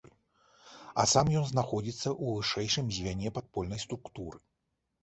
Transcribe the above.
А сам ён знаходзіцца ў вышэйшым звяне падпольнай структуры.